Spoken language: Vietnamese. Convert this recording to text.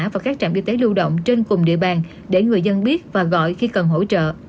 và các trạm y tế lưu động trên cùng địa bàn để người dân biết và gọi khi cần hỗ trợ